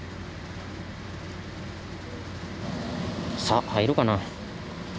さあ入るかな？